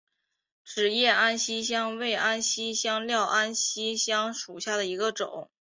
齿叶安息香为安息香科安息香属下的一个种。